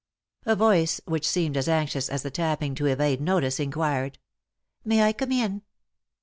A voice, which seemed as anxious as the tapping to evade notice, inquired :" May I come in